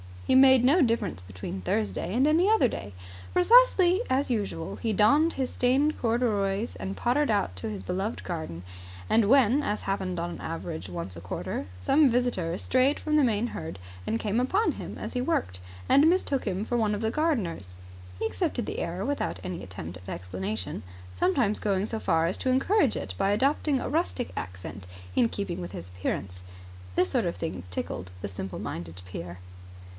He made no difference between Thursday and any other day. Precisely as usual he donned his stained corduroys and pottered about his beloved garden; and when, as happened on an average once a quarter, some visitor, strayed from the main herd, came upon him as he worked and mistook him for one of the gardeners, he accepted the error without any attempt at explanation, sometimes going so far as to encourage it by adopting a rustic accent in keeping with his appearance. This sort of thing tickled the simple minded peer.